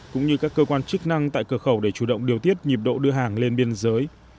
cũng như các cơ quan chức năng tại cửa khẩu để chủ động điều tiết nhịp độ đưa hàng lên biên giới